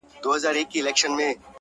دلته خواران ټوله وي دلته ليوني ورانوي;